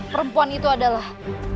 perempuan itu adalah